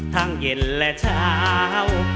ทั้งเย็นและเช้า